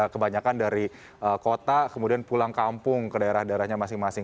kebanyakan dari kota kemudian pulang kampung ke daerah daerahnya masing masing